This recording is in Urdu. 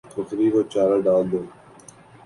بکری کو چارہ ڈال دو